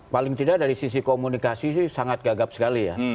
paling tidak dari sisi komunikasi sih sangat gagap sekali ya